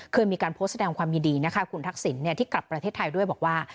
เคยมีการโพสต์แสดงความยินดีนะคะคุณทักษิณที่กลับประเทศไทยด้วยบอกว่า